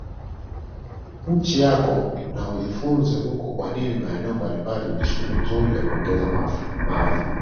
nchi yako na ujifunze huko kwani maeneo mbalimbali ni shule nzuri ya kuongeza maarifa